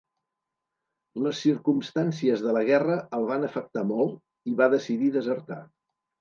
Les circumstàncies de la guerra el van afectar molt i va decidir desertar.